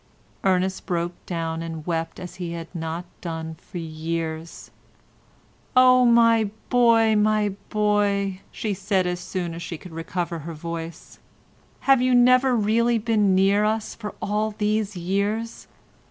Ernest broke down and wept as he had not done for years. "Oh, my boy, my boy," she said as soon as she could recover her voice. "Have you never really been near us for all these years?